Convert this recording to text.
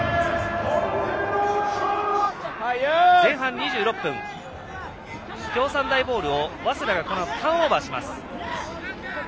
前半２６分京産大ボールを早稲田がターンオーバーします。